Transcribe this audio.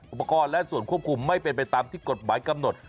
อุปกรณ์และส่วนควบคุมไม่เป็นไปตามที่กฎหมายกำหนด